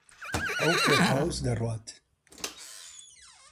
ئەو پێخواس دەڕوات.